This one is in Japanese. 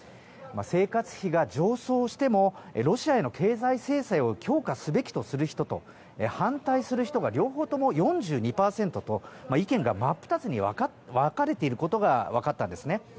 生活費が上昇してもロシアへの経済制裁を強化すべきという人と反対する人が両方とも４２％と意見が真っ二つに分かれていることが分かったんですね。